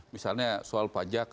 misalnya soal pajak